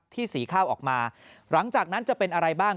สีข้าวออกมาหลังจากนั้นจะเป็นอะไรบ้าง